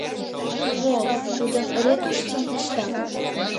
Мо, тудым ретушь сылнешта?